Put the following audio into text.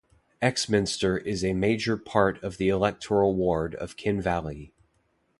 "Exminster" is a major part of the electoral ward of Kenn Valley.